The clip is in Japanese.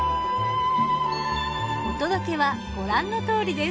お届けはご覧のとおりです。